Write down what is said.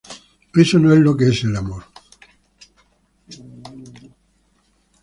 Eso no es lo que es el amor.